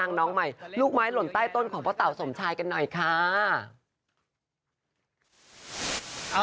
น้องใหม่ลูกไม้หล่นใต้ต้นของพ่อเต่าสมชายกันหน่อยค่ะ